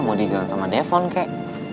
mau diinjalan sama devon kek